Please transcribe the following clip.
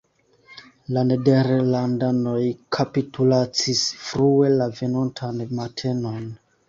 La nederlandanoj kapitulacis frue la venontan matenon.